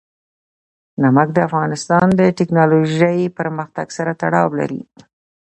نمک د افغانستان د تکنالوژۍ پرمختګ سره تړاو لري.